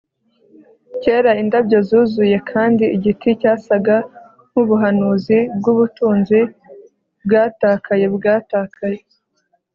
kera indabyo zuzuye kandi igiti cyasaga nkubuhanuzi bwubutunzi bwatakaye, bwatakaye